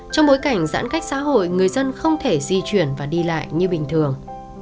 trong bối cảnh giãn cách xã hội người dân không thể di chuyển và đi lại như bình thường